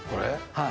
はい。